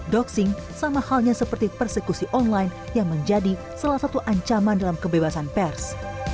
doxing sama halnya seperti persekusi online yang menjadi salah satu ancaman dalam kebebasan pers